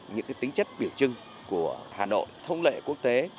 những tính chất biểu trưng của hà nội thông lệ quốc tế